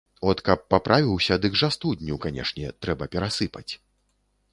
От каб паправіўся, дык жа студню, канешне, трэба перасыпаць.